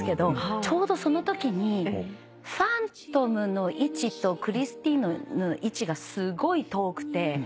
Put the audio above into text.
ちょうどそのときにファントムの位置とクリスティーヌの位置がすごい遠くて。